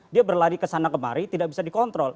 dia berlari kesana kemari tidak bisa dikontrol